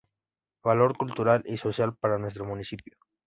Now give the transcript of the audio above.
Valor cultural y social para nuestro municipio.